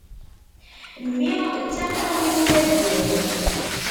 Mmi d tamuɣli n ufalku.